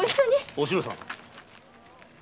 お篠さん。